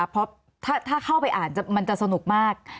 คือเรียนฉันเชื่อว่าน่าจะมีคนที่สนใจคดีนี้นะคะ